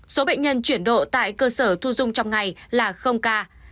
số bệnh nhân chuyển độ tại cơ sở thu dung trong ngày là ca